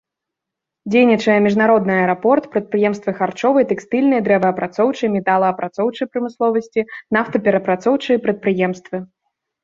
Дзейнічае міжнародны аэрапорт, прадпрыемствы харчовай, тэкстыльнай, дрэваапрацоўчай, металаапрацоўчай прамысловасці, нафтаперапрацоўчыя прадпрыемствы.